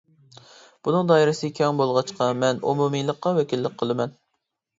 بۇنىڭ دائىرىسى كەڭ بولغاچقا مەن ئومۇمىيلىققا ۋەكىللىك قىلىمەن.